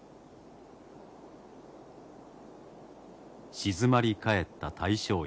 静まり返った大正池。